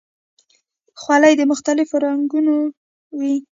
خولۍ د مختلفو رنګونو وي.